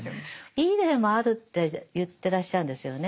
いい例もあるって言ってらっしゃるんですよね。